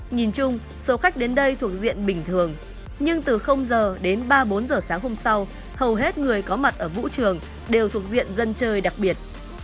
nhìn chung số khách đến đây thuộc diện bình thường nhưng từ giờ đến ba bốn giờ sáng hôm sau hầu hết người có mặt ở vũ trường đều thuộc diện dân chơi đặc biệt